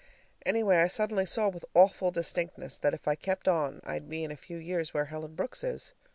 Anyway, I suddenly saw with awful distinctness that if I kept on I'd be in a few years where Helen Brooks is.